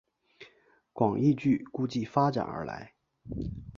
广义矩估计发展而来。